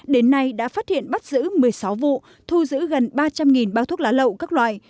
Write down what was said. đến nay đã phát hiện bắt giữ một mươi sáu vụ thu giữ gần ba trăm linh bao thuốc lá lậu các loại